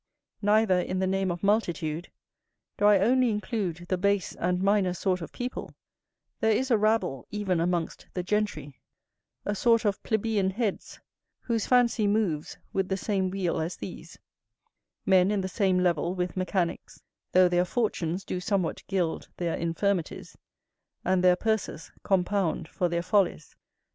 Neither in the name of multitude do I only include the base and minor sort of people: there is a rabble even amongst the gentry; a sort of plebeian heads, whose fancy moves with the same wheel as these; men in the same level with mechanicks, though their fortunes do somewhat gild their infirmities, and their purses compound for their follies.